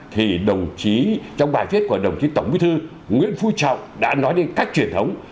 thì trong bài viết của đồng chí tổng bí thư nguyễn phú trọng đã nói đến các truyền thống